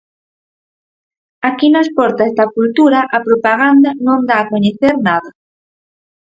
Aquí nas portas da cultura a propaganda non dá a coñecer nada.